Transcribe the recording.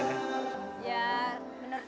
ya menurut saya sih nyaman